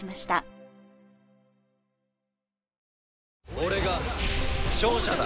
俺が勝者だ！